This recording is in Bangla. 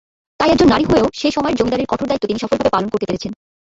তাই একজন নারী হয়েও সে সময়ে জমিদারির কঠোর দায়িত্ব তিনি সফলভাবে পালন করতে পেরেছেন।